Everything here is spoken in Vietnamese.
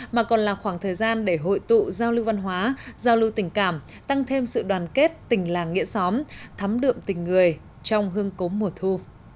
mà còn là khoảng thời gian để hội tụ giao lưu văn hóa giao lưu tình cảm tăng thêm sự đoàn kết tình làng nghĩa xóm thắm đượm tình người trong hương cốm mùa thu